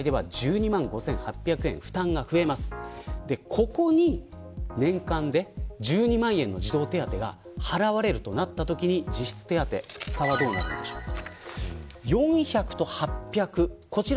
ここ２年間で１２万円の児童手当が払われるとなったときに実質手当、差はどうなるんでしょうか。